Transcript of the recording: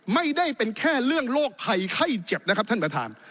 ไม่ได้เป็นแค่เรื่องโรคภัยไข้เจ็บนะครับท่านประธาน